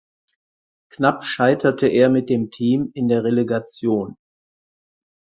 Knapp scheiterte er mit dem Team in der Relegation.